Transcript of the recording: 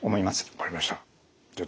分かりました。